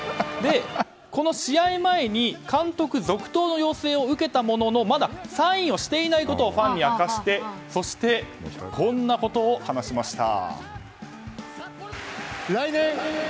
この試合前に監督続投の要請を受けていたものの、まだサインをしていないことをファンに明かしてそして、こんなことを話しました。